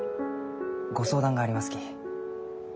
ご相談がありますき。